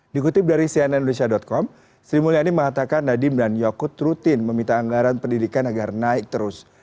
dikutip dari cnn indonesia com sri mulyani mengatakan nadiem dan yakut rutin meminta anggaran pendidikan agar naik terus